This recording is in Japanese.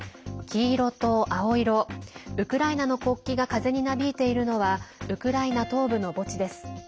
黄色と青色、ウクライナの国旗が風になびいているのはウクライナ東部の墓地です。